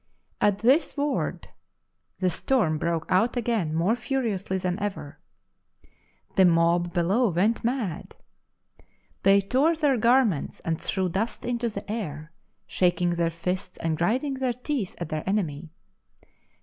At this word the storm broke out again more furiously than ever. The mob below went mad. They tore their garments, and threw dust into the air, shaking their fists and grinding their teeth at their enemy.